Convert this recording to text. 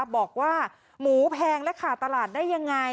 บอกว่าหมูแพงและขาดตลาดได้ยังไง